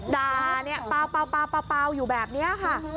ด่าเนี่ยเปล่าอยู่แบบนี้ค่ะ